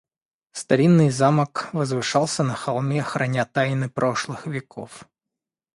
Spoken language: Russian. Старинный замок возвышался на холме, храня тайны прошлых веков.